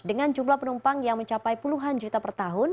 dengan jumlah penumpang yang mencapai puluhan juta per tahun